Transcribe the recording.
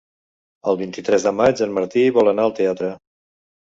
El vint-i-tres de maig en Martí vol anar al teatre.